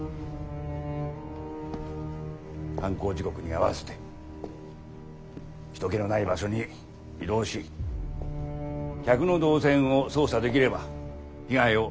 犯行時刻に合わせて人けのない場所に移動し客の動線を操作できれば被害を最小限に抑えることができる。